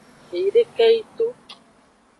Eyideke yi to.